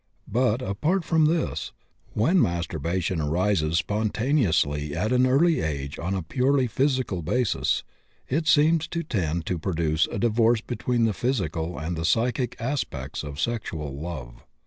But, apart from this, when masturbation arises spontaneously at an early age on a purely physical basis it seems to tend to produce a divorce between the physical and the psychic aspects of sexual love.